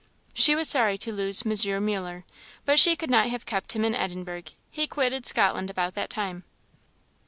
] She was sorry to lose M. Muller, but she could not have kept him in Edinburgh; he quitted Scotland about that time.